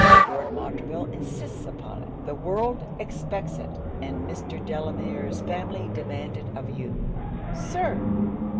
Lord Montreville insists upon it; the world expects it; and Mr. Delamere's family demand it of you.' 'Sir!'